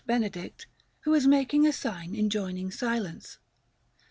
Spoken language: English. Benedict, who is making a sign enjoining silence.